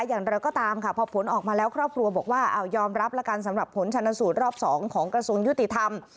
อย่างไรก็ตามค่ะพอผลออกมาแล้วครอบครัวบอกว่ายอมรับแล้วกันสำหรับผลชนสูตรรอบ๒ของกระทรวงยุติธรรม